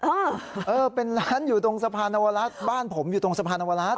อ้าวเป็นร้านบ้านผมอยู่ตรงสะพานนวรัส